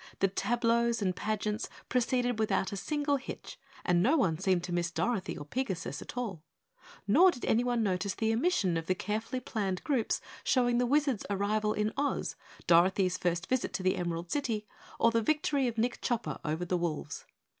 The tableaux and pageants proceeded without a single hitch and no one seemed to miss Dorothy or Pigasus at all, nor did anyone notice the omission of the carefully planned groups showing the Wizard's arrival in Oz, Dorothy's first visit to the Emerald City or the victory of Nick Chopper over the wolves.